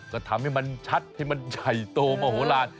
ก็ทำให้มันชัดให้มันใหญ่โตมโหลาน